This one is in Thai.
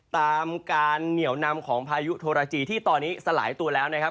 ตามการเหนียวนำของพายุโทรจีที่ตอนนี้สลายตัวแล้วนะครับ